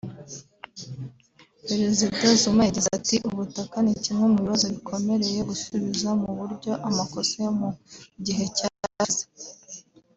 Perezida Zuma yagize ati” Ubutaka ni kimwe mu bibazo bikomereye gusubiza mu buryo amakosa yo mu gihe cyashize